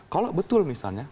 kalau betul misalnya